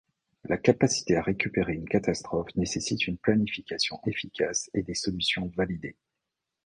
La capacité à récupérer une catastrophe nécessite une planification efficace et des solutions validées.